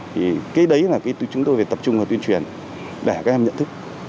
thì cái đấy là chúng tôi phải tập trung vào tuyên truyền để các em nhận thức